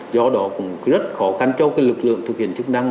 do đó cũng rất khó khăn cho lực lượng thực hiện chức năng